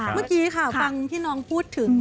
เมื่อกี้ค่ะฟังที่น้องพูดถึง